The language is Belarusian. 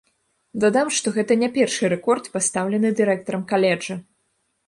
Дадам, што гэта не першы рэкорд, пастаўлены дырэктарам каледжа.